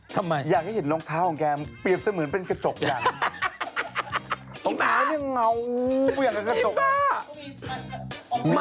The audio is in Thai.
ทำไมอยากให้เห็นรองเท้าของแกมันเปรียบเสมือนเป็นกระจกอย่างหนึ่ง